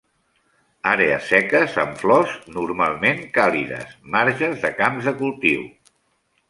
Àrees seques amb flors, normalment càlides; marges de camps de cultiu.